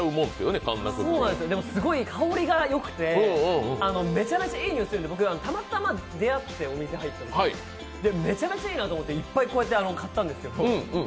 すごい香りがよくてめちゃめちゃいい匂いするんでたまたま出会って、お店入ったときにめちゃめちゃいいなと思って、いっぱい買ったんです。